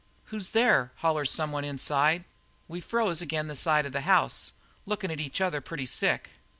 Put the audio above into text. "'Who's there?' hollers someone inside. "We froze ag'in' the side of the house, lookin' at each other pretty sick.